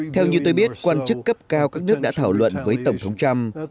theo như tôi biết quan chức cấp cao các nước đã thảo luận với tổng thống trump